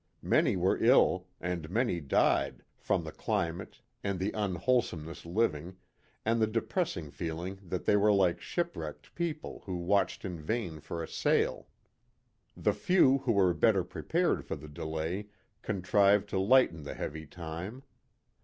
Many were ill and many died from the climate and the unwholesome 52 A PICNIC NEAR THE EQUATOR. living, and the depressing feeling that they were like shipwrecked people who watched in vain for a sail. The few who were better prepared for the delay contrived to lighten the heavy time.